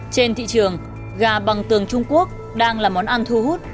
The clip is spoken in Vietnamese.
trên thị trường gà bằng tường trung quốc đang là món ăn thu hút